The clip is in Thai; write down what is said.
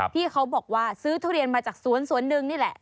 ที่เขาบอกว่าซื้อทุเรียนมาจากสวนสวนหนึ่งนี่แหละ